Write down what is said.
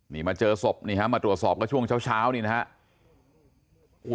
นี่มาเจอศพมาตรวจสอบกับช่วงเช้านี่นะฮะ